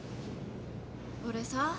俺さ